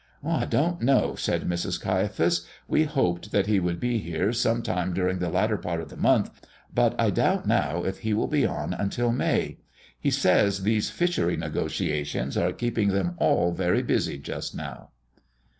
"I don't know," said Mrs. Caiaphas. "We hoped that he would be here some time during the latter part of the month, but I doubt now if he will be on until May. He says these fishery negotiations are keeping them all very busy just now."